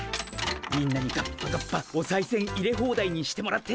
みんなにガッパガッパおさいせん入れホーダイにしてもらって。